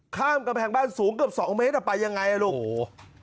ข้ามกำแพงบ้านสูงเกือบสองเมตรอ่ะไปยังไงอ่ะลูกโอ้โห